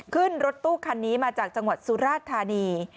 ขึ้นรถตู้คันนี้มาจากจังหวัดสุราชธานี